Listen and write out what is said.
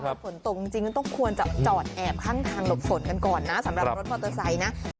ถ้าฝนตกจริงก็ต้องควรจะจอดแอบข้างทางหลบฝนกันก่อนนะสำหรับรถมอเตอร์ไซค์นะ